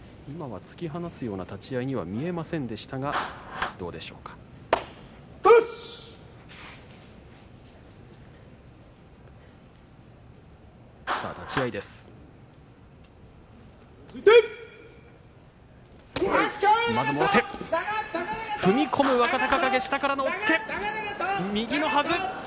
今は突き放すような立ち合いには見えませんでしたがどうでしょうか。